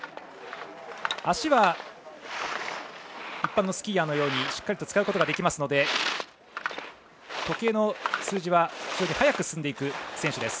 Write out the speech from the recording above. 足は、一般のスキーヤーのようにしっかりと使うことができますので時計の数字は早く進んでいく選手。